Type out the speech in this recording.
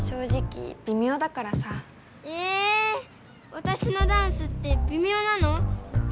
わたしのダンスってびみょうなの？